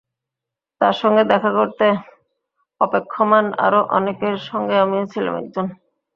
তাঁর সঙ্গে দেখা করতে অপেক্ষমাণ আরও অনেকের সঙ্গে আমিও ছিলাম একজন।